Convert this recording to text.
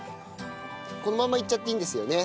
このままいっちゃっていいんですよね？